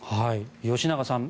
吉永さん